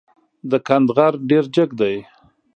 د کند غر ډېر جګ دی.